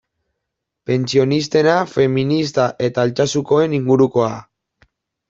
Pentsionistena, feminista eta Altsasukoen ingurukoa.